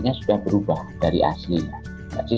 jadi ini sudah berubah dari aslinya